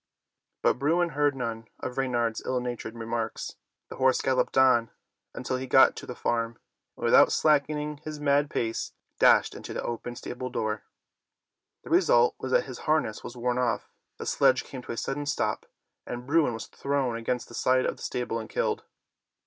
But Bruin heard none of Reynard's ill natured remarks. The horse galloped on until he got to the farm, and without slack ening his mad pace dashed into the open stable door. The result was that his har ness was torn off, the sledge came to a sudden stop, and Bruin was thrown against the side of the stable and killed.